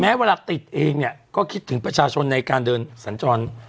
เวลาติดเองเนี่ยก็คิดถึงประชาชนในการเดินสัญจร